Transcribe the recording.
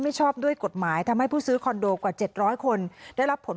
ชอบด้วยกฎหมายทำให้ผู้ซื้อคอนโดกว่า๗๐๐คนได้รับผล